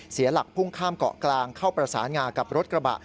เสียหลักพุ่งข้ามเกาะกลางเข้าประสานงากับรถกระบะ